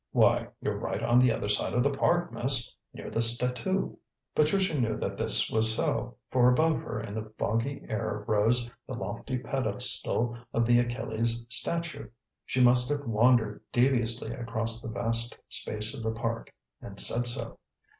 "Why, you're right on the other side of the Park, miss, near the statoo." Patricia knew that this was so, for above her in the foggy air rose the lofty pedestal of the Achilles statue. She must have wandered deviously across the vast space of the Park, and said so.